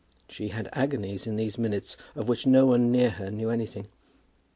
She had agonies in these minutes of which no one near her knew anything.